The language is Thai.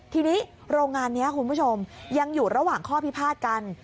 ทีนี้โรงงานนี้คุณผู้ชมยังอยู่ระหว่างข้อพิพาทกัน